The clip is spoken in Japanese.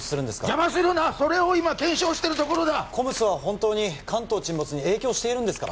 邪魔するなそれを今検証してるところだＣＯＭＳは本当に関東沈没に影響しているんですか？